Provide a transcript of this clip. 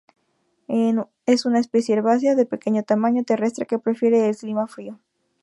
Es una especie herbácea de pequeño tamaño, terrestre, que prefiere el clima frío.